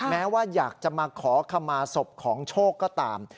แม้ว่าอยากจะมาขอขมาศพของโชคก็ตาม